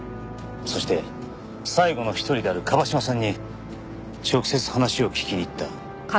そして最後の一人である椛島さんに直接話を聞きに行った。